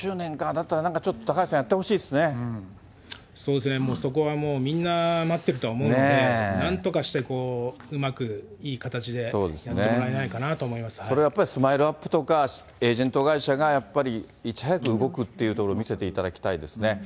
だったら、高橋さん、当然そこはもう、みんな待ってるとは思うので、なんとかしてうまくいい形でやってもらえないそれはやっぱり、ＳＭＩＬＥーＵＰ．とかエージェント会社がやっぱりいち早く動くっていうところを見せていただきたいですね。